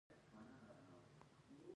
آیا چیرې چې فقر نه وي؟